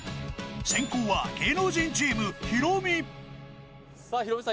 先攻は芸能人チームヒロミさあヒロミさん